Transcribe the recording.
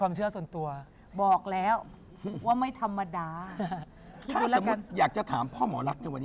แล้วก็เหมือนกับ